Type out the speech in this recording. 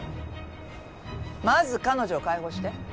まず彼女を解放して。